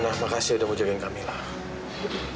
ana makasih edo mau jagain kamilah